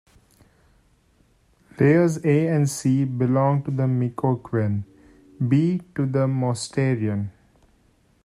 Layers A and C belong to the Micoquien, B to the Mousterian.